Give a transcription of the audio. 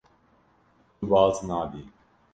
Tu baz nadî.